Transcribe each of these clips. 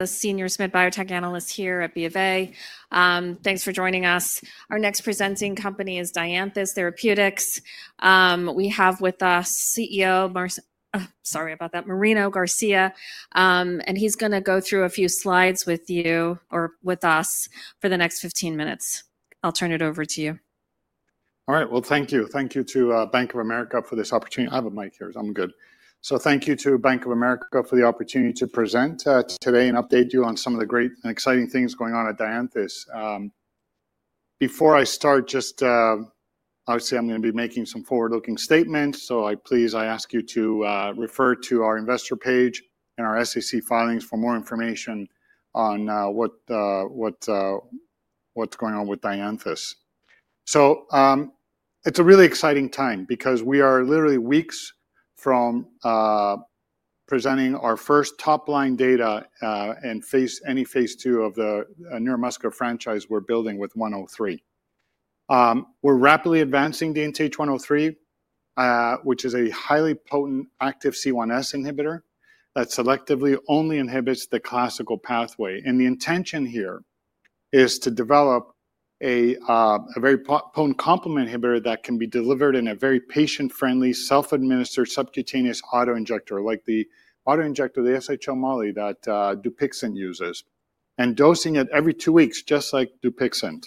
This is Zenio Smith Biotech Analyst here at B of A. Thanks for joining us. Our next presenting company is Dianthus Therapeutics. We have with us CEO, Marino, sorry about that, Marino Garcia. He is going to go through a few slides with you or with us for the next 15 minutes. I'll turn it over to you. All right. Thank you. Thank you to Bank of America for this opportunity. I have a mic here. I'm good. Thank you to Bank of America for the opportunity to present today and update you on some of the great and exciting things going on at Dianthus. Before I start, obviously I'm going to be making some forward-looking statements. I ask you to refer to our Investor page and our SEC filings for more information on what's going on with Dianthus. It's a really exciting time because we are literally weeks from presenting our first top line data in any phase II of the neuromuscular franchise we're building with 103. We're rapidly advancing DNTH103, which is a highly potent active C1s inhibitor that selectively only inhibits the classical pathway. The intention here is to develop a very potent complement inhibitor that can be delivered in a very patient-friendly, self-administered subcutaneous autoinjector like the autoinjector, the SHOMolly that Dupixent uses, and dosing it every two weeks, just like Dupixent,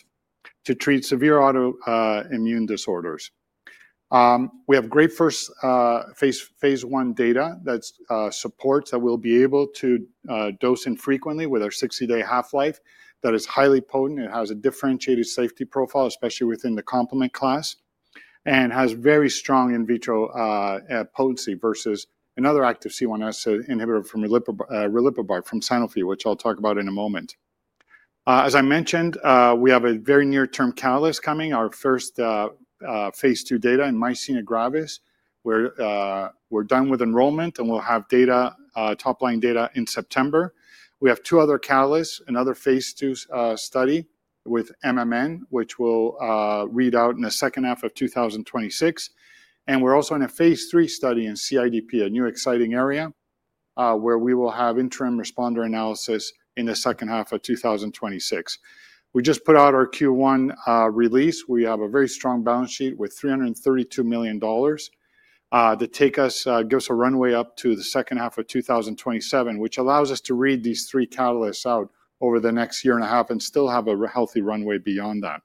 to treat severe autoimmune disorders. We have great first phase I data that supports that we'll be able to dose infrequently with our 60-day half-life that is highly potent. It has a differentiated safety profile, especially within the complement class, and has very strong in vitro potency versus another active C1s inhibitor from riliprubart from Sanofi, which I'll talk about in a moment. As I mentioned, we have a very near-term catalyst coming, our first phase II data in myasthenia gravis, where we're done with enrollment and we'll have top line data in September. We have two other catalysts, another phase II study with MMN, which we'll read out in the second half of 2026. We are also in a phase III study in CIDP, a new exciting area where we will have interim responder analysis in the second half of 2026. We just put out our Q1 release. We have a very strong balance sheet with $332 million to take us, give us a runway up to the second half of 2027, which allows us to read these three catalysts out over the next year and a half and still have a healthy runway beyond that.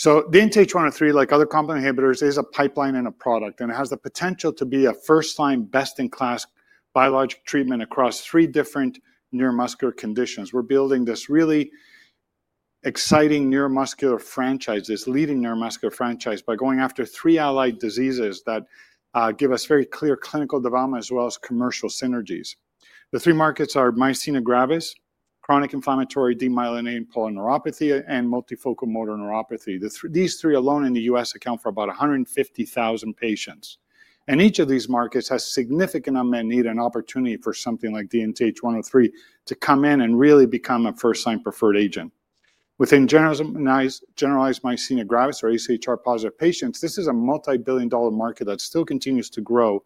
DNTH103, like other complement inhibitors, is a pipeline and a product, and it has the potential to be a first-line, best-in-class biologic treatment across three different neuromuscular conditions. We're building this really exciting neuromuscular franchise, this leading neuromuscular franchise by going after three allied diseases that give us very clear clinical development as well as commercial synergies. The three markets are myasthenia gravis, chronic inflammatory demyelinating polyneuropathy, and multifocal motor neuropathy. These three alone in the U.S. account for about 150,000 patients. Each of these markets has significant unmet need and opportunity for something like DNTH103 to come in and really become a first-line preferred agent. Within generalized myasthenia gravis or AChR-positive patients, this is a multibillion dollar market that still continues to grow,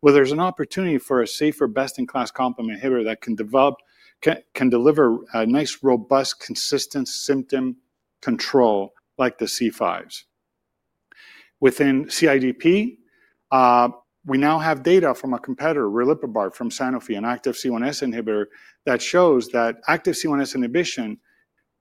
where there's an opportunity for a safer, best-in-class complement inhibitor that can deliver a nice, robust, consistent symptom control like the C5s. Within CIDP, we now have data from a competitor, riliprubart from Sanofi, an active C1s inhibitor that shows that active C1s inhibition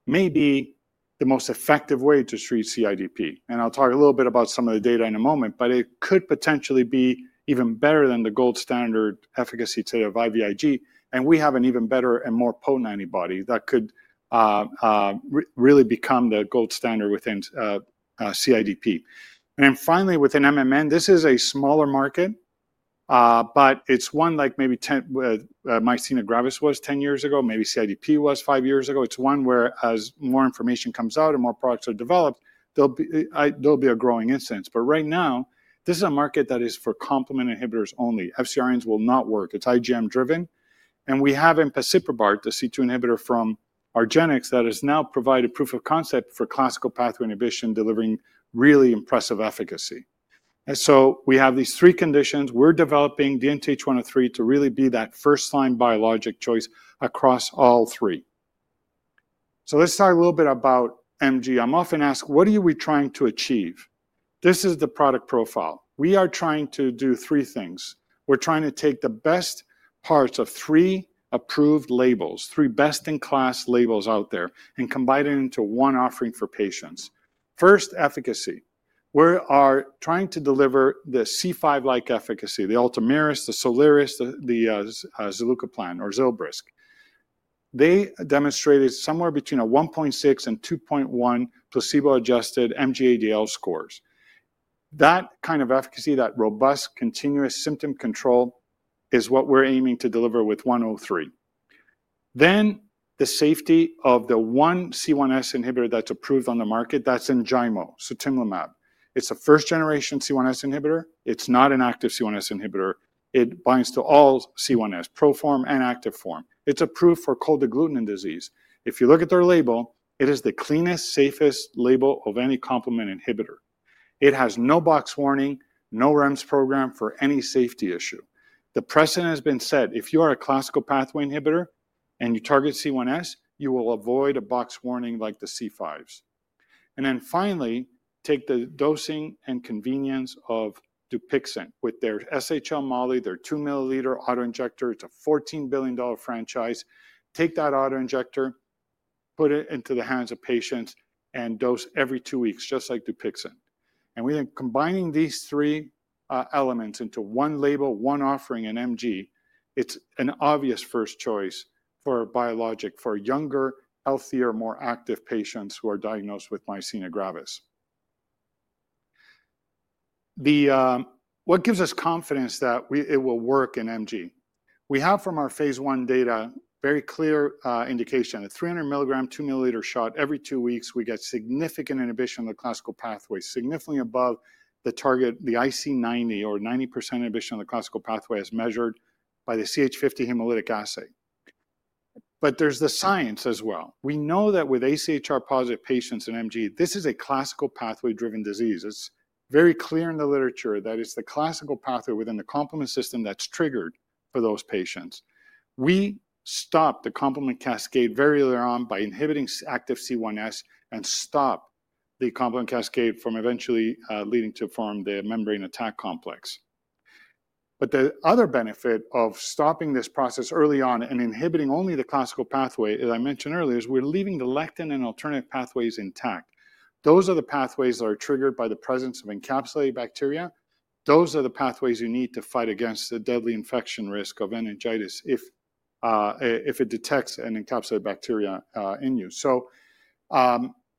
may be the most effective way to treat CIDP. I'll talk a little bit about some of the data in a moment, but it could potentially be even better than the gold standard efficacy to the IVIG. We have an even better and more potent antibody that could really become the gold standard within CIDP. Finally, within MMN, this is a smaller market, but it's one like maybe myasthenia gravis was 10 years ago, maybe CIDP was five years ago. It's one where as more information comes out and more products are developed, there'll be a growing incidence. Right now, this is a market that is for complement inhibitors only. FcRns will not work. It's IgM driven. We have in Pasiprobar, the C2 inhibitor from Argenx that has now provided proof of concept for classical pathway inhibition, delivering really impressive efficacy. We have these three conditions. We're developing DNTH103 to really be that first-line biologic choice across all three. Let's talk a little bit about MG. I'm often asked, what are we trying to achieve? This is the product profile. We are trying to do three things. We're trying to take the best parts of three approved labels, three best-in-class labels out there, and combine it into one offering for patients. First, efficacy. We are trying to deliver the C5-like efficacy, the Ultomiris, the Soliris, the Zilbrysq. They demonstrated somewhere between a 1.6-2.1 placebo-adjusted MG-ADL scores. That kind of efficacy, that robust continuous symptom control, is what we're aiming to deliver with 103. The safety of the one C1s inhibitor that's approved on the market, that's Enjaymo, sutimlimab. It's a first-generation C1s inhibitor. It's not an active C1s inhibitor. It binds to all C1s, proform and active form. It's approved for cold agglutinin disease. If you look at their label, it is the cleanest, safest label of any complement inhibitor. It has no box warning, no REMS program for any safety issue. The precedent has been set. If you are a classical pathway inhibitor and you target C1s, you will avoid a box warning like the C5s. Finally, take the dosing and convenience of Dupixent with their sub-Q, their 2 ml autoinjector. It's a $14 billion franchise. Take that autoinjector, put it into the hands of patients, and dose every two weeks, just like Dupixent. We think combining these three elements into one label, one offering, in MG, it's an obvious first choice for biologic for younger, healthier, more active patients who are diagnosed with myasthenia gravis. What gives us confidence that it will work in MG? We have from our phase I data very clear indication. At 300 mg, 2 ml shot every two weeks, we get significant inhibition of the classical pathway, significantly above the target, the IC₉₀, or 90% inhibition of the classical pathway as measured by the CH50 hemolytic assay. There is the science as well. We know that with AChR-positive patients in MG, this is a classical pathway-driven disease. It is very clear in the literature that it is the classical pathway within the complement system that is triggered for those patients. We stop the complement cascade very early on by inhibiting active C1s and stop the complement cascade from eventually leading to form the membrane attack complex. The other benefit of stopping this process early on and inhibiting only the classical pathway, as I mentioned earlier, is we're leaving the lectin and alternative pathways intact. Those are the pathways that are triggered by the presence of encapsulated bacteria. Those are the pathways you need to fight against the deadly infection risk of meningitis if it detects an encapsulated bacteria in you.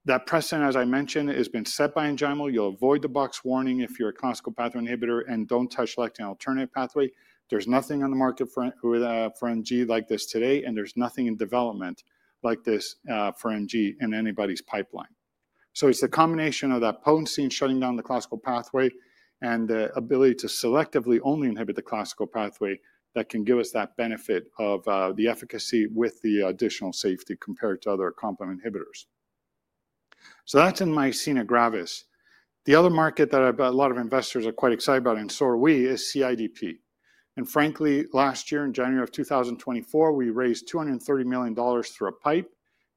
That precedent, as I mentioned, has been set by Enjaymo. You'll avoid the box warning if you're a classical pathway inhibitor and don't touch lectin or alternative pathway. There's nothing on the market for MG like this today, and there's nothing in development like this for MG in anybody's pipeline. It is the combination of that potency in shutting down the classical pathway and the ability to selectively only inhibit the classical pathway that can give us that benefit of the efficacy with the additional safety compared to other complement inhibitors. That is in myasthenia gravis. The other market that a lot of investors are quite excited about in CIDP. Frankly, last year in January of 2024, we raised $230 million through a PIPE,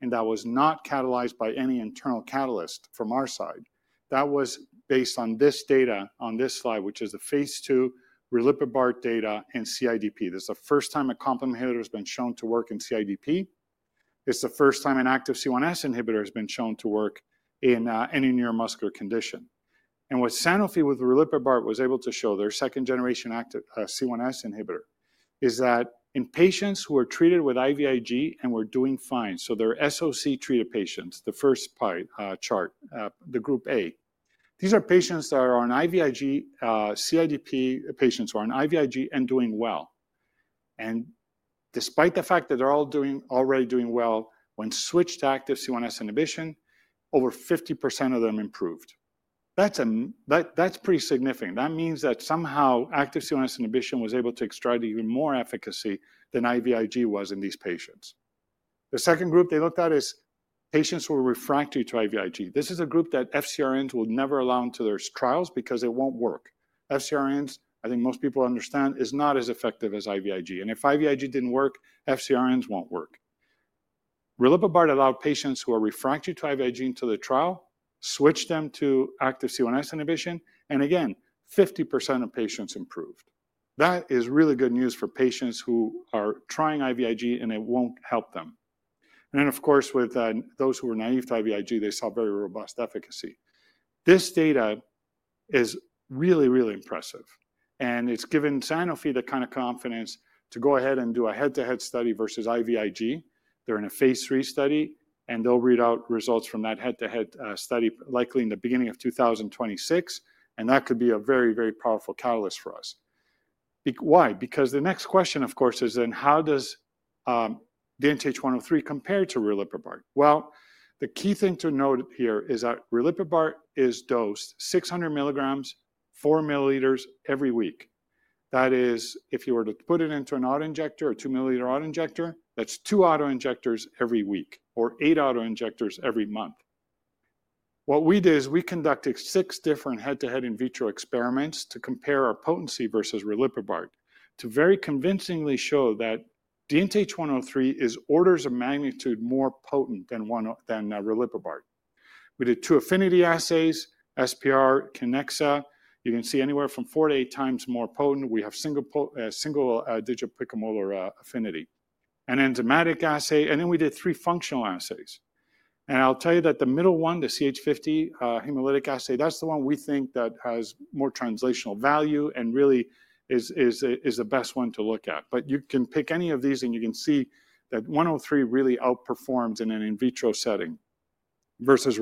and that was not catalyzed by any internal catalyst from our side. That was based on this data on this slide, which is the phase II Riliprubart data in CIDP. This is the first time a complement inhibitor has been shown to work in CIDP. It is the first time an active C1s inhibitor has been shown to work in any neuromuscular condition. What Sanofi with riliprubart was able to show, their second-generation active C1s inhibitor, is that in patients who are treated with IVIG and were doing fine, so they're SOC treated patients, the first chart, the group A. These are patients that are on IVIG, CIDP patients who are on IVIG and doing well. Despite the fact that they're all already doing well, when switched to active C1s inhibition, over 50% of them improved. That's pretty significant. That means that somehow active C1s inhibition was able to extract even more efficacy than IVIG was in these patients. The second group they looked at is patients who are refractory to IVIG. This is a group that FcRns will never allow into their trials because it won't work. FcRns, I think most people understand, is not as effective as IVIG. If IVIG didn't work, FcRns won't work. Riliprubart allowed patients who are refractory to IVIG into the trial, switched them to active C1s inhibition, and again, 50% of patients improved. That is really good news for patients who are trying IVIG and it will not help them. Of course, with those who were naive to IVIG, they saw very robust efficacy. This data is really, really impressive. It has given Sanofi the kind of confidence to go ahead and do a head-to-head study versus IVIG. They are in a phase III study, and they will read out results from that head-to-head study likely in the beginning of 2026. That could be a very, very powerful catalyst for us. Why? Because the next question, of course, is then how does DNTH103 compare to Riliprubart? The key thing to note here is that Riliprubart is dosed 600 mg, 4 ml every week. That is, if you were to put it into an autoinjector or 2-ml autoinjector, that's two autoinjectors every week or eight autoinjectors every month. What we did is we conducted six different head-to-head in vitro experiments to compare our potency versus Riliprubart to very convincingly show that DNTH103 is orders of magnitude more potent than Riliprubart. We did two affinity assays, SPR, Kinexa. You can see anywhere from 4x-8x more potent. We have single-digit picomolar affinity. An enzymatic assay, and then we did three functional assays. I'll tell you that the middle one, the CH50 hemolytic assay, that's the one we think that has more translational value and really is the best one to look at. You can pick any of these and you can see that 103 really outperforms in an in vitro setting versus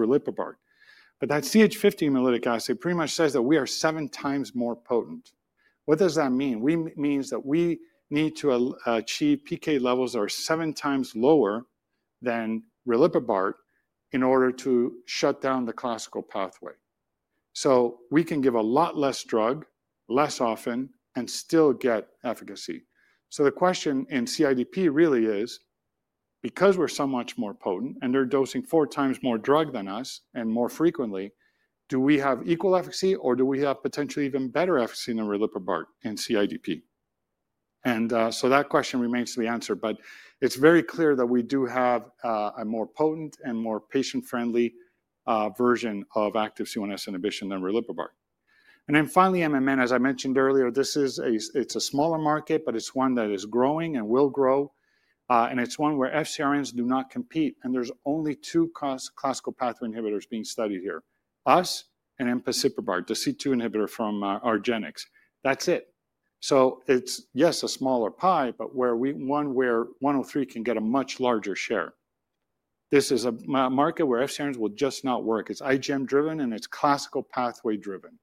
Riliprubart. That CH50 hemolytic assay pretty much says that we are 7x more potent. What does that mean? It means that we need to achieve PK levels that are 7x lower than riliprubart in order to shut down the classical pathway. We can give a lot less drug, less often, and still get efficacy. The question in CIDP really is, because we are so much more potent and they are dosing 4x more drug than us and more frequently, do we have equal efficacy or do we have potentially even better efficacy than riliprubart in CIDP? That question remains to be answered, but it is very clear that we do have a more potent and more patient-friendly version of active C1s inhibition than riliprubart. Finally, MMN, as I mentioned earlier, this is a smaller market, but it is one that is growing and will grow. It is one where FcRns do not compete. There are only two classical pathway inhibitors being studied here, us and Pasiprobar, the C2 inhibitor from Argenx. That is it. Yes, it is a smaller pie, but where 103 can get a much larger share. This is a market where FcRns will just not work. It is IgM driven and it is classical pathway driven.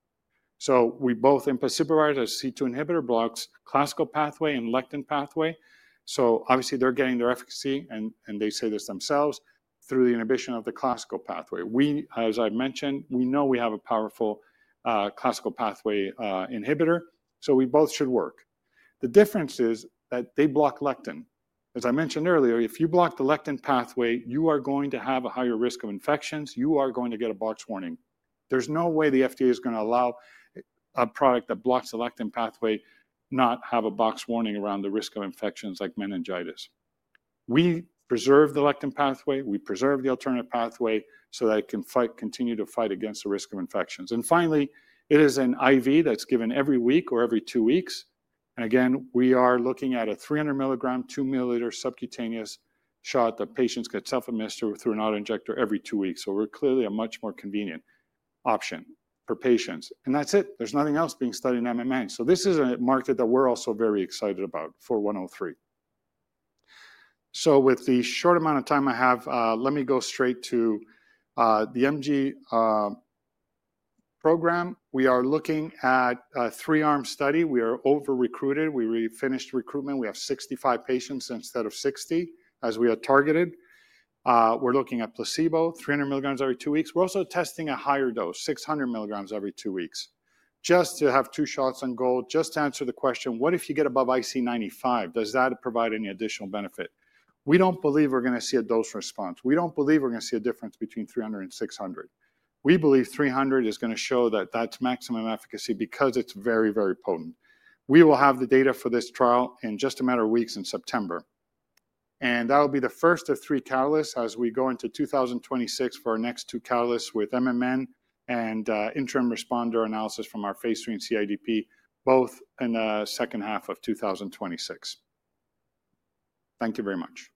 Both Pasiprobar, their C2 inhibitor, blocks classical pathway and lectin pathway. Obviously, they are getting their efficacy, and they say this themselves, through the inhibition of the classical pathway. As I mentioned, we know we have a powerful classical pathway inhibitor, so we both should work. The difference is that they block lectin. As I mentioned earlier, if you block the lectin pathway, you are going to have a higher risk of infections. You are going to get a box warning. There's no way the FDA is going to allow a product that blocks the lectin pathway not to have a box warning around the risk of infections like meningitis. We preserve the lectin pathway. We preserve the alternative pathway so that it can continue to fight against the risk of infections. Finally, it is an IV that's given every week or every two weeks. Again, we are looking at a 300 mg, 2 ml subcutaneous shot that patients get self-administered through an autoinjector every two weeks. We are clearly a much more convenient option for patients. That's it. There's nothing else being studied in MMN. This is a market that we're also very excited about for 103. With the short amount of time I have, let me go straight to the MG program. We are looking at a three-arm study. We are over-recruited. We finished recruitment. We have 65 patients instead of 60, as we had targeted. We're looking at placebo, 300 mg every two weeks. We're also testing a higher dose, 600 mg every two weeks, just to have two shots on goal, just to answer the question, what if you get above IC₉₅? Does that provide any additional benefit? We don't believe we're going to see a dose response. We don't believe we're going to see a difference between 300 and 600. We believe 300 is going to show that that's maximum efficacy because it's very, very potent. We will have the data for this trial in just a matter of weeks in September. That will be the first of three catalysts as we go into 2026 for our next two catalysts with MMN and interim responder analysis from our phase III and CIDP, both in the second half of 2026. Thank you very much.